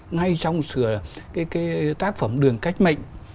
ngay trong sự tác phẩm đường cách mệnh